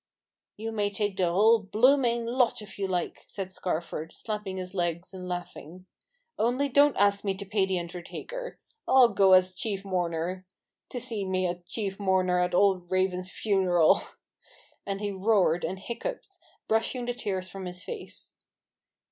"You may take the whole blooming lot if you like I " said Scarford, slapping his legs and laughing. " Only don't ask me to pay the undertaker. I'll go as chief mourner. To see me as chief mourner at old Raven's funeral !"— HUGO RAVEN'S HAND. 163 and he roared, and hiccoughed, brushing the tears from his face.